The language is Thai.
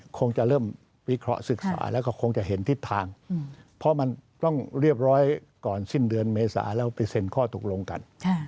คงจะเห็นทิศทางเพราะมันต้องเรียบร้อยก่อนสิ้นเดือนเมษาแล้วไปเซ็นข้อตกลงกัน